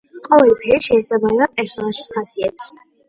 ყოველი ფერი შეესაბამება პერსონაჟის ხასიათს.